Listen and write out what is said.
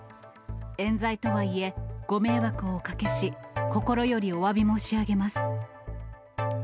えん罪とはいえ、ご迷惑をおかけし、心よりおわび申し上げます。